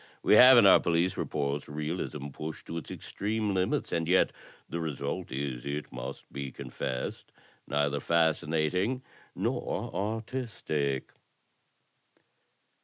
We have in our police reports realism pushed to its extreme limits, and yet the result is, it must be confessed, neither fascinating nor artistic."